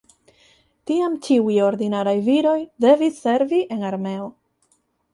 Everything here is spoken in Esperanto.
Tiam ĉiuj ordinaraj viroj devis servi en armeo.